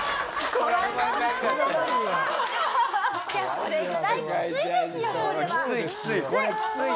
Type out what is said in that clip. これはきついよ。